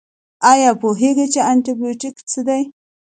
ایا پوهیږئ چې انټي بیوټیک څه دي؟